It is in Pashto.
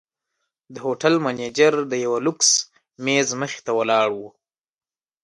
د هوټل منیجر د یوه لوکس میز مخې ته ولاړ و.